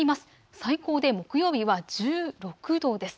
最高で木曜日は１６度です。